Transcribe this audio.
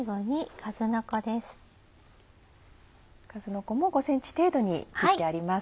かずのこも５ｃｍ程度に切ってあります。